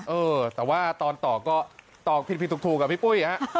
เออแต่ว่าตอนต่อก็ต่อผิดถูกกับพี่ปุ้ยฮะ